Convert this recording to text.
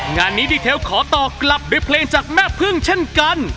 งานนี้ดีเทลขอตอบกลับด้วยเพลงจากแม่พึ่งเช่นกัน